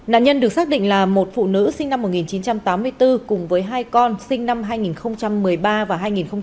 nạn nhân được xác định là một phụ nữ sinh năm một nghìn chín trăm tám mươi bốn cùng với hai con sinh năm hai nghìn một mươi ba và hai nghìn một mươi bảy